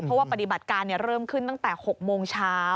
เพราะว่าปฏิบัติการเริ่มขึ้นตั้งแต่๖โมงเช้า